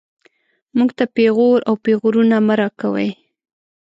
موږ ته پېغور او پېغورونه مه راکوئ